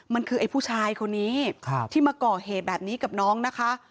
มันคือไอ้ผู้ชายคนนี้ที่มาก่อเหตุแบบนี้กับน้องนะคะ